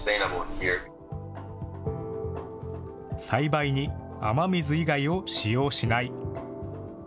栽培に雨水以外を使用しない。